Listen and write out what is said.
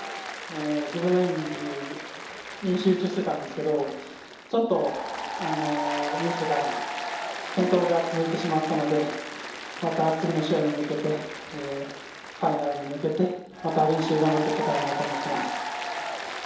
自分の演技に集中していたんですけどちょっと転倒が続いてしまったのでまた次の試合に向けてファイナルに向けてまた練習、頑張っていけたらなと思っています。